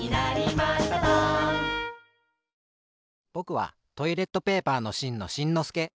ぼくはトイレットペーパーのしんのしんのすけ。